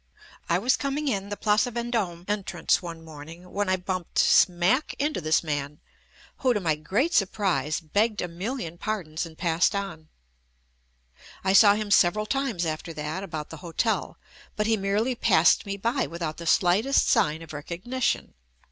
I was coming in the Place Vendome entrance one morning when I bumped smack into "this man," who, to my great surprise, begged a ^million pardons and passed on. I saw him several times after that about the hotel, but he merely passed me by without the slightest sign of recognition.